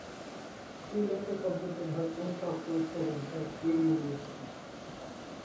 She later completed her postdoctoral studies at Yale University.